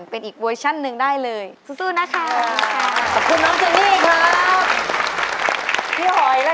พี่หอยล่ะจ๊ะ